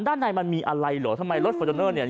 ด้านในมันมีอะไรเหรอทำไมรถฟอร์จูเนอร์เนี่ย